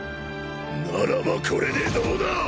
ならばこれでどうだ！